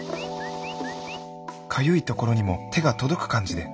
かゆいところにも手が届く感じで。